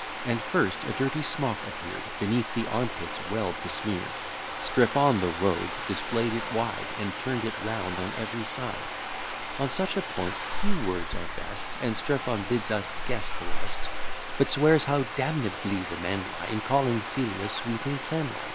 And, first, a dirty smock appear'd, Beneath the arm pits well besmear'd; Strephon, the rogue, display'd it wide, And turn'd it round on ev'ry side: On such a point, few words are best, And Strephon bids us guess the rest; But swears, how damnably the men lie In calling Celia sweet and cleanly.